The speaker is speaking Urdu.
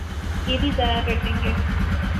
یہ بھی ضائع کر دیں گے۔